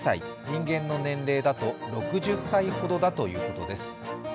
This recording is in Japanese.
人間の年齢だと６０歳ほどだということです。